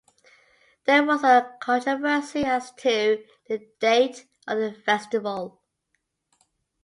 There was a controversy as to the date of the festival.